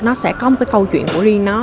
nó có cái câu chuyện của riêng nó